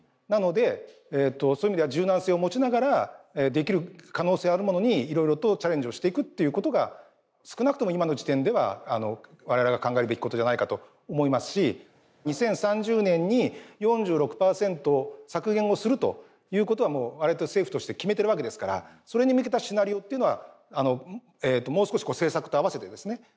なのでそういう意味では柔軟性を持ちながらできる可能性あるものにいろいろとチャレンジをしていくということが少なくとも今の時点では我々が考えるべきことじゃないかと思いますし２０３０年に４６％削減をするということはもう政府として決めてるわけですからそれに向けたシナリオっていうのはもう少し政策とあわせてですね